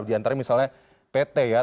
di antara misalnya pt ya